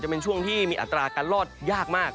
เป็นช่วงที่มีอัตราการรอดยากมาก